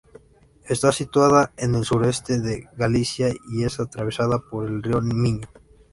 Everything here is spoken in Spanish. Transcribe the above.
Está situada en el sureste de Galicia y es atravesada por el río Miño.